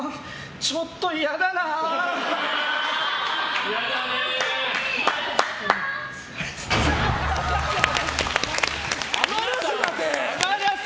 ちょっと嫌だなあ。